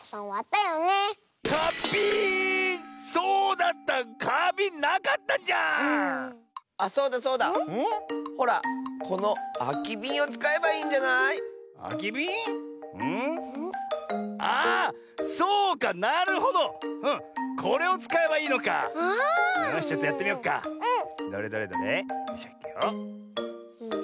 よしちょっとやってみよっか。